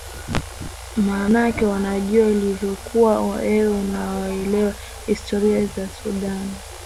maanake wajua ilivyokuwa wewe unaelewa historia za sudan